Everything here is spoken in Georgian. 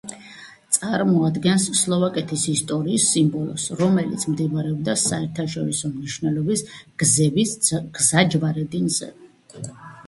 წარმოადგენს სლოვაკეთის ისტორიის სიმბოლოს, რომელიც მდებარეობდა საერთაშორისო მნიშვნელობის გზების გზაჯვარედინზე.